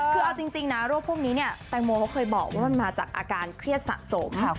คือเอาจริงนะโรคพวกนี้เนี่ยแตงโมเขาเคยบอกว่ามันมาจากอาการเครียดสะสมค่ะ